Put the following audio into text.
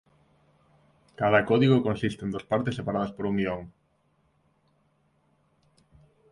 Cada código consiste en dos partes separadas por un guion.